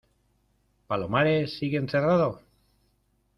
¿ palomares sigue encerrado?